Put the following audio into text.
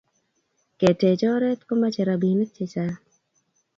Ketech oret komache rapinik che chang